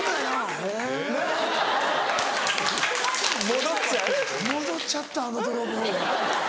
「戻っちゃったあの泥棒」。